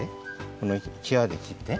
このきわできって。